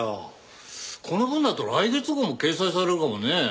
この分だと来月号も掲載されるかもねえ。